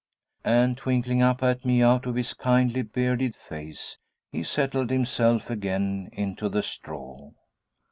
And twinkling up at me out of his kindly bearded face, he settled himself again into the straw.